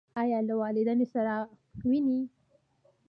ایا له والدینو سره وینئ؟